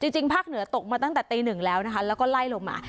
ภาคเหนือตกมาตั้งแต่ตีหนึ่งแล้วนะคะแล้วก็ไล่ลงมา